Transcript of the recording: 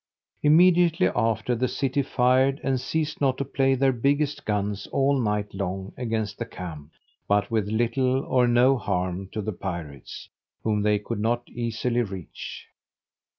Immediately after the city fired, and ceased not to play their biggest guns all night long against the camp, but with little or no harm to the pirates, whom they could not easily reach.